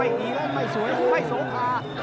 ดีแล้วไม่สวยไม่โสภา